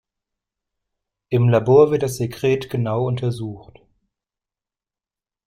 Im Labor wird das Sekret genau untersucht.